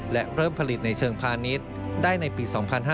และเริ่มผลิตในเชิงพาณิชย์ได้ในปี๒๕๕๙